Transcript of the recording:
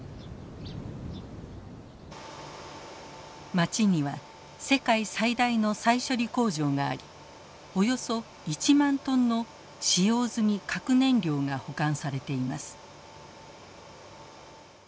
街には世界最大の再処理工場がありおよそ１万トンの使用済み核燃料が保管されています。